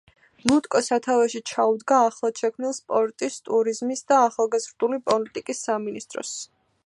მუტკო სათავეში ჩაუდგა ახლადშექმნილ სპორტის, ტურიზმის და ახალგაზრდული პოლიტიკის სამინისტროს.